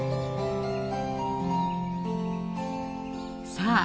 さあ